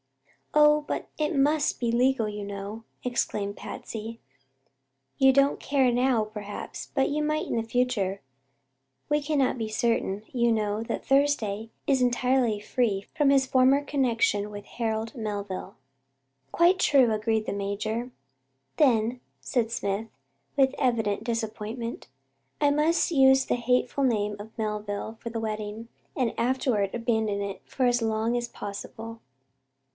"Oh, but it must be legal, you know!" exclaimed Patsy. "You don't care now, perhaps, but you might in the future. We cannot be certain, you know, that Thursday is entirely free from his former connection with Harold Melville." "Quite true," agreed the major. "Then," said Smith, with evident disappointment, "I must use the hateful name of Melville for the wedding, and afterward abandon it for as long as possible."